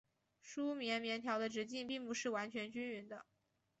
梳棉棉条的直径并不是完全均匀的。